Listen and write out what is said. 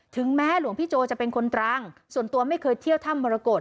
ถึงแม้หลวงพี่โจจะเป็นคนตรังส่วนตัวไม่เคยเที่ยวถ้ำมรกฏ